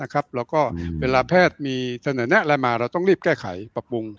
แล้วก็เวลาแพทย์มีเสนอแนะอะไรมาเราต้องรีบแก้ไขปรับปรุง